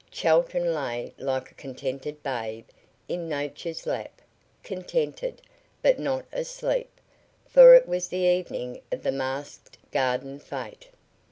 Chelton lay like a contented babe in Nature's lap contented, but not asleep, for it was the evening of the masked garden fete.